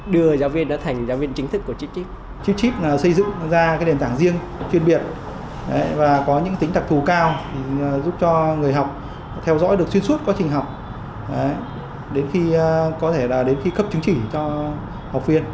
đến khi có thể là đến khi cấp chứng chỉ cho học viên